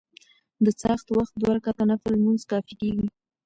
د څاښت وخت دوه رکعته نفل لمونځ کافي کيږي .